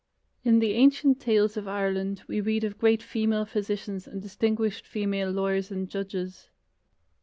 In the ancient tales of Ireland we read of great female physicians and distinguished female lawyers and judges.